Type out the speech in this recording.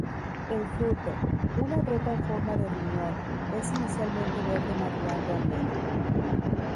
El fruto, una drupa en forma de riñón, es inicialmente verde madurando al negro.